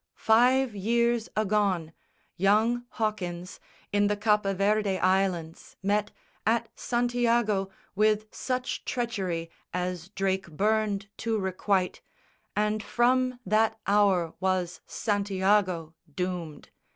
Five years agone, Young Hawkins, in the Cape Verde Islands, met At Santiago with such treachery As Drake burned to requite, and from that hour Was Santiago doomed.